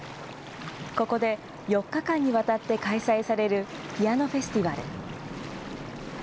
ここで４日間にわたって開催されるピアノフェスティバル。